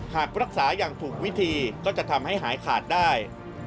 หากรักษาอย่างถูกวิธีก็จะทำให้หายขาดได้